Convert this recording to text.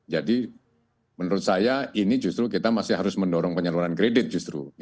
jadi menurut saya ini justru kita masih harus mendorong penyaluran kredit justru